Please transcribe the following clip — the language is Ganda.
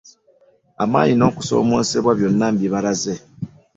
Amaanyi n'okusoomoosebwa byonna mbibalaze.